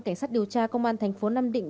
cảnh sát điều tra công an thành phố nam định